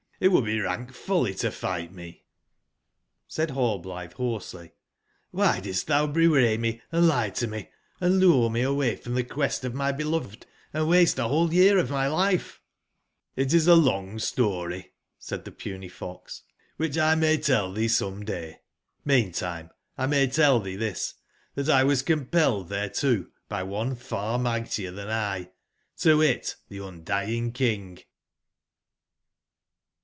tt would be rank folly to fight me*'j^Said Hallblithe hoarsely: *'^hy didst thou bewray me, & lie to me, and lure me away from the quest of my beloved, and waste a whole year of my life?"jS?''ltis a long story,'' said thepuny fox, ''whichlmay tell thee someday. jVIcantimclmay tell thee this, that 1 was compelled thereto by one far mightier than 1, to wit the Gndying King."